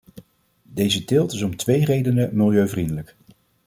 Deze teelt is om twee redenen milieuvriendelijk.